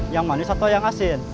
yang manis atau yang asin